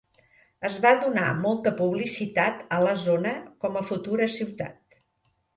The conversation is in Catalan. Es va donar molta publicitat a la zona com a futura ciutat.